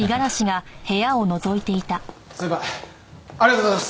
先輩ありがとうございます！